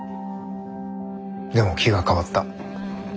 でも気が変わった。